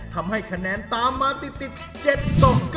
ทำให้คะแนนตามมาติด๗ต่อ๙